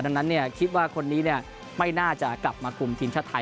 ดังนั้นเนี่ยคิดว่าคนนี้เนี่ยไม่น่าจะกลับมากลุ่มทีมชาติไทย